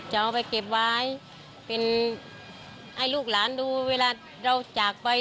ให้ลูกหลานดูเวลาเราจากไป